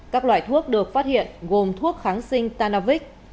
các loại thuốc được phát hiện gồm thuốc kháng sinh tanavic